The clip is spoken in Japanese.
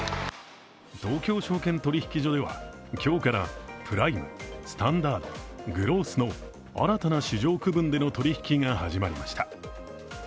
東京証券取引所では今日からプライム、スタンダード、グロースの新たな市場区分での取り引きが始まりました。